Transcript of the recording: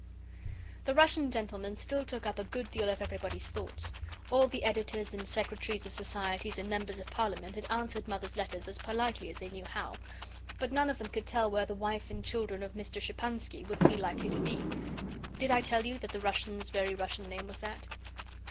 The Russian gentleman still took up a good deal of everybody's thoughts. All the editors and secretaries of Societies and Members of Parliament had answered Mother's letters as politely as they knew how; but none of them could tell where the wife and children of Mr. Szezcpansky would be likely to be. (Did I tell you that the Russian's very Russian name was that?)